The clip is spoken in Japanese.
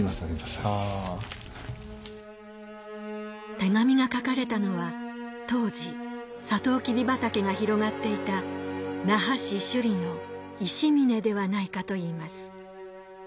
手紙が書かれたのは当時サトウキビ畑が広がっていた那覇市首里の石嶺ではないかといいます